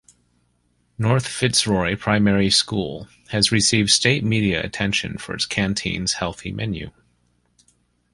North Fitzroy Primary School has received state media attention for its canteen's healthy menu.